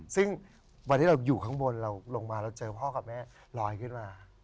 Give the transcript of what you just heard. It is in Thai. ซึ่งวันที่เราอยู่ข้างบนเราลงมาเราเจอพ่อกับแม่ลอยขึ้นมา